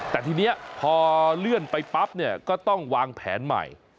แต่ทีนี้พอเลื่อนไปปั๊บเนี่ยก็ต้องวางแผนใหม่